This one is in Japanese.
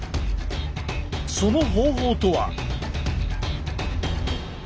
その方法とは。